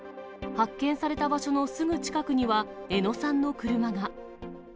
発見された場所のすぐ近くには、江野さんの車が。